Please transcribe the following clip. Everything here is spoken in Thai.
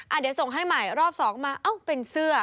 เดี๋ยวส่งให้ใหม่รอบสองมาเอ้าเป็นเสื้อ